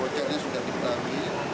pokoknya disuruh jadi ketat